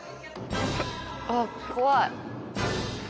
あっ怖い！